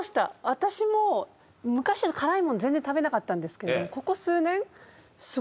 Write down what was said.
私も昔辛いもの全然食べなかったんですけど。